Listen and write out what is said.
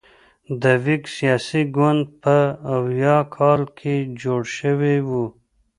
د ویګ سیاسي ګوند په اویا کال کې جوړ شوی و.